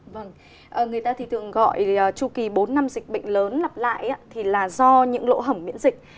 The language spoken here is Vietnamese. vâng người ta thì thường gọi tru kỳ bốn năm dịch bệnh lớn lặp lại là do những lỗ hẩm miễn dịch